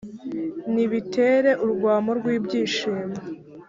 nibitere urwamo rw’ibyishimo,